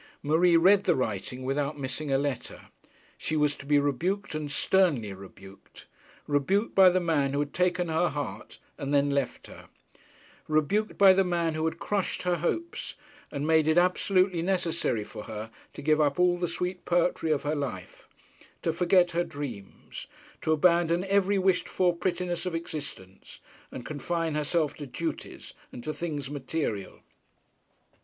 Marie read the writing without missing a letter. She was to be rebuked, and sternly rebuked; rebuked by the man who had taken her heart, and then left her; rebuked by the man who had crushed her hopes and made it absolutely necessary for her to give up all the sweet poetry of her life, to forget her dreams, to abandon every wished for prettiness of existence, and confine herself to duties and to things material!